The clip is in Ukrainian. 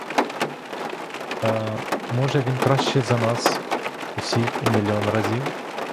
Та, може, він кращий за нас усіх у мільйон разів!